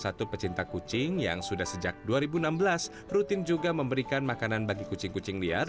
salah satu pecinta kucing yang sudah sejak dua ribu enam belas rutin juga memberikan makanan bagi kucing kucing liar